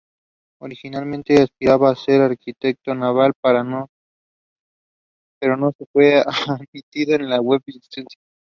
Originalmente aspiraba a ser arquitecto naval, pero no fue admitido en el Webb Institute.